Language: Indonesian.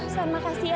san makasih ya